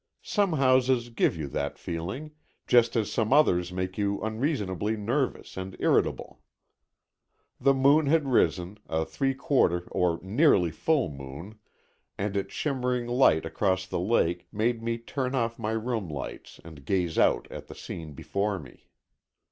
Some houses give you that feeling, just as some others make you unreasonably nervous and irritable. The moon had risen, a three quarter or nearly full moon, and its shimmering light across the lake made me turn off my room lights and gaze out at the scene before me.